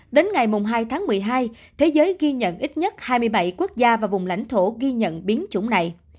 đến ngày hai tháng một mươi hai thế giới ghi nhận ít nhất hai mươi bảy quốc gia và vùng lãnh thổ ghi nhận biến chủng này